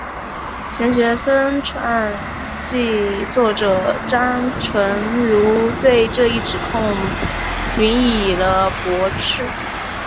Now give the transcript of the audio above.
钱学森传记作者张纯如对这一指控予以了驳斥。